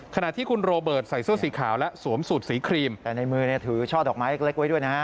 ขณะที่คุณโรเบิร์ตใส่เสื้อสีขาวและสวมสูตรสีครีมแต่ในมือถือช่อดอกไม้เล็กไว้ด้วยนะฮะ